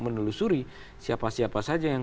menelusuri siapa siapa saja yang